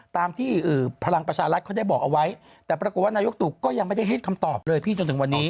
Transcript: แต่ปรากฏว่านายกตุกก็ยังไม่ได้เห็นคำตอบเลยพี่จนถึงวันนี้